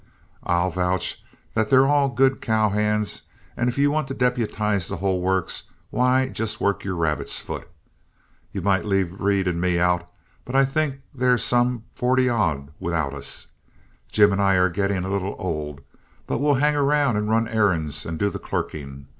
I'll vouch that they're all good cow hands, and if you want to deputize the whole works, why, just work your rabbit's foot. You might leave Reed and me out, but I think there's some forty odd without us. Jim and I are getting a little too old, but we'll hang around and run errands and do the clerking.